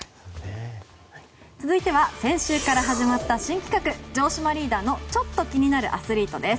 続いては先週から始まった新企画城島リーダーのちょっと気になるアスリートです。